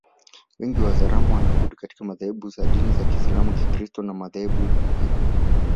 Wengi wa Wazaramo wanaabudu katika madhehebu ya dini za Kiisalamu Kikristo na madhehebu mengine